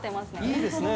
◆いいですね。